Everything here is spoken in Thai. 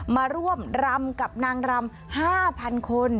มาร่วมรำกับนางรำ๕๐๐๐คน